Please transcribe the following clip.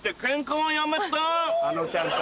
あのちゃんか。